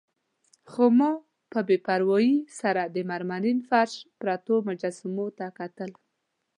خو ما په بې پروايي سره مرمرین فرش، پرتو مجسمو ته کتل.